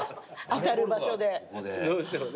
当たる場所で。